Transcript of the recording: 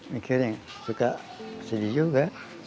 mikirin suka sedih juga